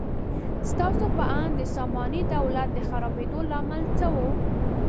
ستاسو په اند د ساماني دولت د خرابېدو لامل څه و؟